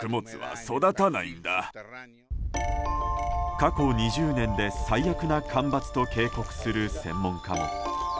過去２０年で最悪な干ばつと警告する専門家も。